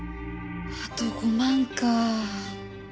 あと５万か。